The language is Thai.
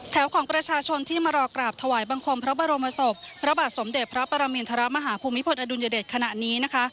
ของประชาชนที่มารอกราบถวายบังคมพระบรมศพพระบาทสมเด็จพระปรมินทรมาฮภูมิพลอดุลยเดชขณะนี้นะคะ